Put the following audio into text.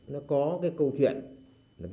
nó có cái câu chuyện